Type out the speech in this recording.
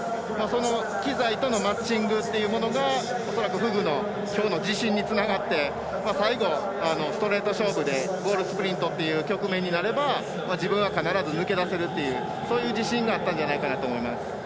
機材とのマッチングっていうものが恐らくフグのきょうの自信につながって最後、ストレート勝負でゴールスプリントという局面になれば、自分は必ず抜け出せるっていう自信があったんじゃないかなと思います。